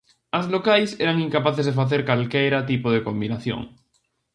As locais eran incapaces de facer calquera tipo de combinación.